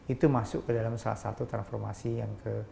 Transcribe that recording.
itu masuk ke dalam salah satu transformasi yang ke